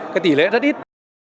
cái tỷ lệ rất ít